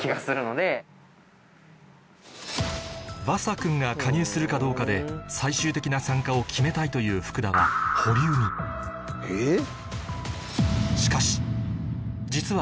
ヴァサ君が加入するかどうかで最終的な参加を決めたいという福田はえっ？